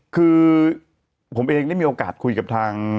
คือผมเองได้มีโอกาสคุยกับทาง